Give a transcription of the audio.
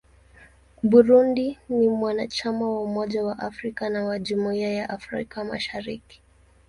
Burundi ni mwanachama wa Umoja wa Afrika na wa Jumuiya ya Afrika Mashariki.